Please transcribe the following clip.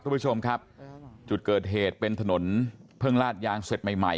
คุณผู้ชมครับจุดเกิดเหตุเป็นถนนเพิ่งลาดยางเสร็จใหม่ใหม่